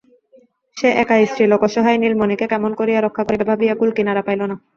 সে একা স্ত্রীলোক, অসহায় নীলমণিকে কেমন করিয়া রক্ষা করিবে ভাবিয়া কূলকিনারা পাইল না।